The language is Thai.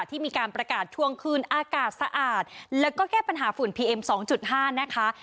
ที่มีการประกาศทวงคืนอากาศสะอาดแล้วก็แก้ปัญหาฝุ่นพีเอ็ม๒๕นะคะ